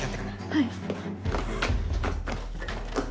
はい。